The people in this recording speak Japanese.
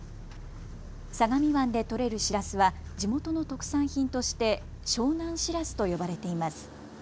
相模湾で取れるしらすは地元の特産品として湘南しらすと呼ばれています。